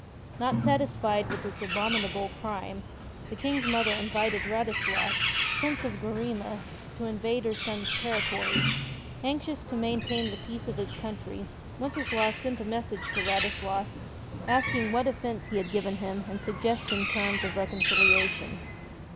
Not satisfied with this abominable crime, the King's mother invited Radislas, Prince of Gurima, to invade her son's territory. Anxious to maintain the peace of his country, Wenceslaus sent a message to Radislas asking what offense he had given him and suggesting terms of reconcilia tion.